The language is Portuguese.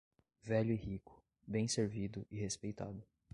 Velho e rico, bem servido e respeitado.